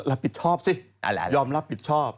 รับผิดชอบสิยอมรับผิดชอบ